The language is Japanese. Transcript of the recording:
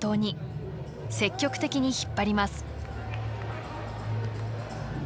積極的に引っ張ります。